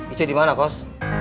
ico dimana kos